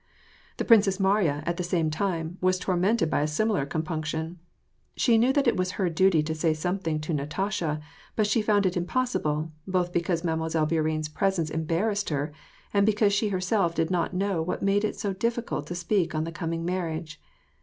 The Princess Mariya, at the same time, was tormented by a similar compunction. She knew that it was her duty to say something to Natasha; but she found it impossible, both because Mademoiselle Bourienne's presence embarrassed her, and be cause she herself did not know what made it so difficult to speak on the coming marriage.